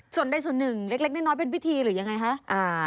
ส่วนใดส่วนหนึ่งเล็กน้อยเป็นพิธีหรือยังไงคะ